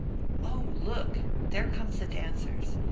Oh, look! There comes the dancers.